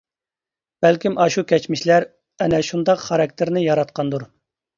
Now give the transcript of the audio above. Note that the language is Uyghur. بەلكىم ئاشۇ كەچمىشلەر ئەنە شۇنداق خاراكتېرنى ياراتقاندۇر.